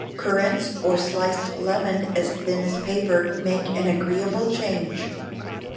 Currants, or sliced lemon as thin as paper, make an agreeable change.